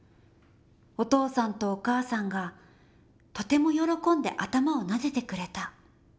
お父さんとお母さんがとても喜んで頭をなでてくれた。